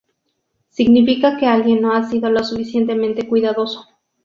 Significa que alguien no ha sido lo suficientemente cuidadoso.